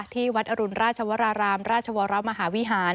ที่วัดอรุณราชวรารามราชวรมหาวิหาร